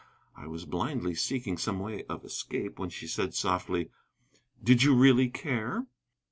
I was blindly seeking some way of escape when she said softly: "Did you really care?"